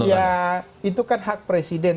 ya itu kan hak presiden